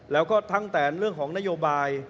แล้วก็ตั้งแต่เรื่องของนโยบาย